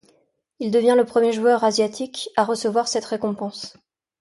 Il devient le premier joueur asiatique à recevoir cette récompense.